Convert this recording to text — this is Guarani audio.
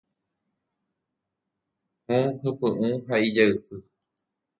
Hũ, hypy'ũ ha ijaysy.